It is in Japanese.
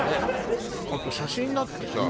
あと写真だってさ